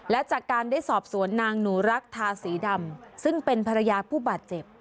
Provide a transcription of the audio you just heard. และจากการได้สอบสวนนางหนูรักทาสีดำซึ่งเป็นภรรยาผู้บาดเจ็บ